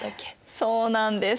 そうなんです。